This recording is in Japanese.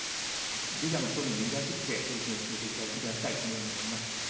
ぜひ、総理のリーダーシップで取り組みを進めていただきたい、このように思います。